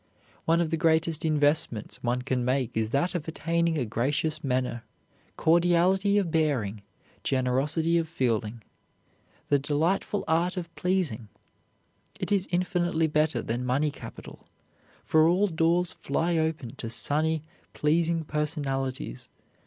One of the greatest investments one can make is that of attaining a gracious manner, cordiality of bearing, generosity of feeling, the delightful art of pleasing. It is infinitely better than money capital, for all doors fly open to sunny, pleasing personalities.